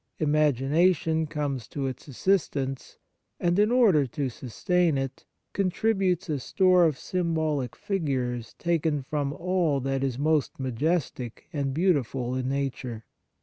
Imagination comes to its assistance, and, in order to sustain it, contributes a store of symbolic figures taken from all that is most majestic and beautiful in nature.